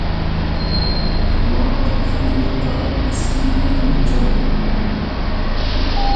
Amma a firya ɗa a simni na jam.